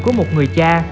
của một người cha